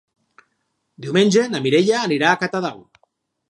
Diumenge na Mireia anirà a Catadau.